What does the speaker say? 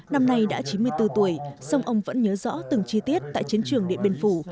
năm nay đã chín mươi bốn tuổi sông ông vẫn nhớ rõ từng chi tiết tại chiến trường điện biên phủ